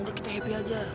udah kita happy aja